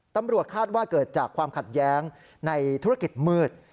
ตำรวจคาดว่าเกิดจากความขัดแย้งในธุรกิจมืด